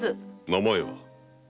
名前は？